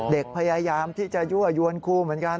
เด็กพยายามที่จะยั่วยวนครูเหมือนกัน